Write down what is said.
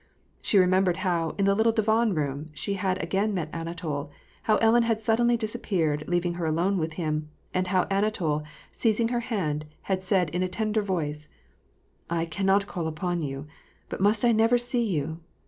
She remembered how, in the little divan room, she had again met Anatol, how Ellen had suddenly disappeared, leaving her alone with him, and how Anatol, seizing her hand, had said, in a tender voice :— "I cannot call upon you, but must I never see you?